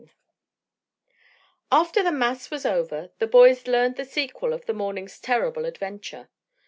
XVII After the mass was over the boys learned the sequel of the morning's terrible adventure.